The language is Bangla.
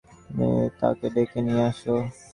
তুমি তাঁকে ডেকে নিয়ে এসো।